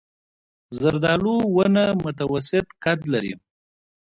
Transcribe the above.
زردالو ونه متوسط قد لري.